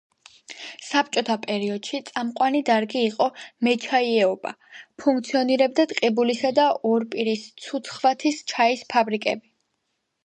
საბჭოთა პერიოდში წამყვანი დარგი იყო მეჩაიეობა, ფუნქციონირებდა ტყიბულისა და ორპირის, ცუცხვათის ჩაის ფაბრიკები.